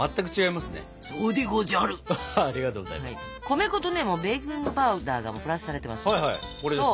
米粉とベーキングパウダーがプラスされてますので。